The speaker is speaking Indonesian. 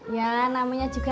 ya namanya juga